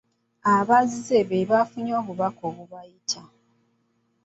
Abazze be baafunye obubaka obubayita.